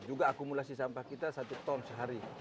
juga akumulasi sampah kita satu ton sehari